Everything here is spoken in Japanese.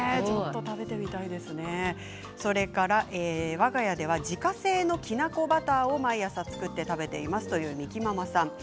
わが家では自家製のきなこバターを毎朝作って食べていますという方からです。